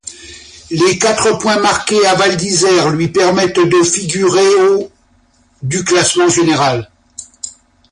Les quatre points marqués à Val-d'Isère lui permettent de figurer au du classement général.